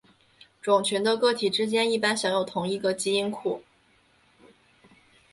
种群的个体之间一般享有同一个基因库。